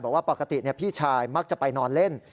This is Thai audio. บอกว่าปกติพี่ชายมักจะไปนอนเล่น